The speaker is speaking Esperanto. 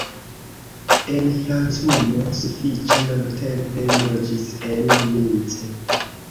En Francujo sufiĉe longtempe li loĝis en Nice.